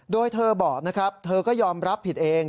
โดยเธอบอกนะครับเธอก็ยอมรับผิดเอง